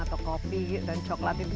atau kopi dan coklat itu